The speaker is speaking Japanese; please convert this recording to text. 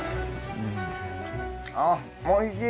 あおいしい！